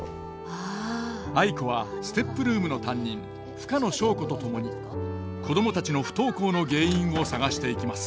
藍子はＳＴＥＰルームの担任深野祥子と共に子供たちの不登校の原因を探していきます。